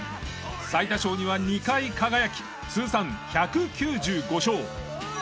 最多勝には２回輝き通算１９５勝。